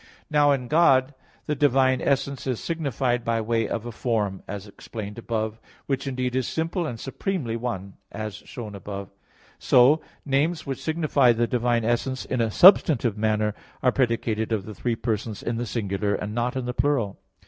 Now in God the divine essence is signified by way of a form, as above explained (A. 2), which, indeed, is simple and supremely one, as shown above (Q. 3, A. 7; Q. 11, A. 4). So, names which signify the divine essence in a substantive manner are predicated of the three persons in the singular, and not in the plural.